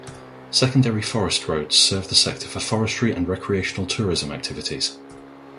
Secondary forest roads serve the sector for forestry and recreational tourism activities.